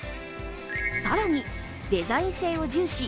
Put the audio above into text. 更にデザイン性を重視。